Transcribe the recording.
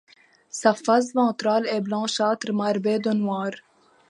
Sa face ventrale est blanchâtre marbrée de noir.